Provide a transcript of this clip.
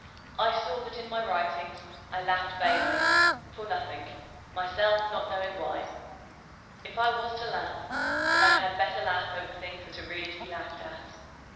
I saw that in my writings I laughed vainly, for nothing, myself not knowing why. If I was to laugh, then I had better laugh over things that are really to be laughed at.